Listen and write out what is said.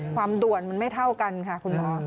ความด่วนมันไม่เท่ากันค่ะคุณหมอ